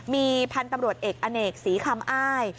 มีพันธุ์ตำรวจเอกอเนกศรีคำอ้าย